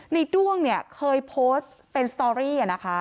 นายด้วงเคยโพสต์เป็นสตอรี่